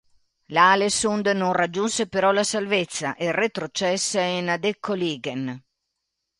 L'Aalesund non raggiunse però la salvezza e retrocesse in Adeccoligaen.